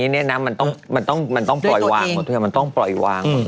ไปยกพะมา